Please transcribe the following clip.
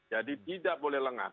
jadi tidak boleh lengah